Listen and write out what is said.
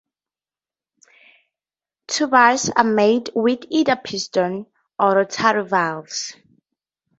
Tubas are made with either piston or rotary valves.